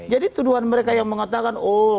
jadi tuduhan mereka yang mengatakan